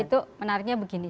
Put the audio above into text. itu sebenarnya begini